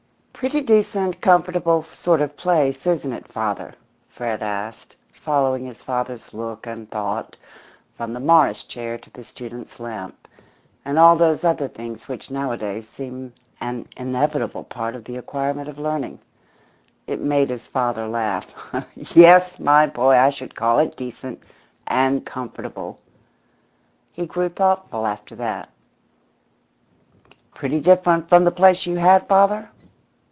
"Pretty decent comfortable sort of place, isn't it, father?" Fred asked, following his father's look and thought from the Morris chair to the student's lamp, and all those other things which nowadays seem an inevitable part of the acquirement of learning. It made his father laugh. "Yes, my boy, I should call it decent and comfortable." He grew thoughtful after that. "Pretty different from the place you had, father?"